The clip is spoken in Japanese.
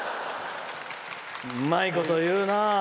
うまいこと言うな。